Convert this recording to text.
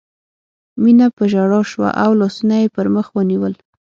مينه په ژړا شوه او لاسونه یې پر مخ ونیول